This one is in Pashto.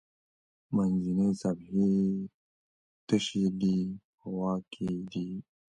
منځنۍ صفحې یې تشې دي په واک کې دي.